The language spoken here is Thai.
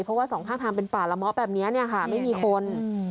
เพราะว่าสองข้างทางเป็นป่าละเมาะแบบนี้เนี่ยค่ะไม่มีคน